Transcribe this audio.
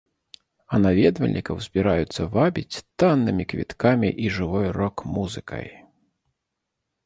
А наведвальнікаў збіраюцца вабіць таннымі квіткамі і жывой рок-музыкай.